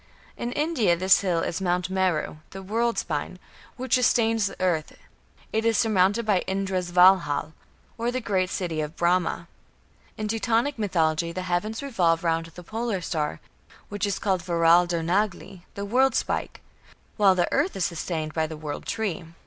In India this hill is Mount Meru, the "world spine", which "sustains the earth"; it is surmounted by Indra's Valhal, or "the great city of Brahma". In Teutonic mythology the heavens revolve round the Polar Star, which is called "Veraldar nagli", the "world spike"; while the earth is sustained by the "world tree".